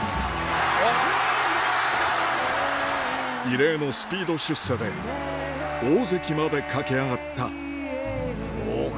異例のスピード出世で大関まで駆け上がったそうか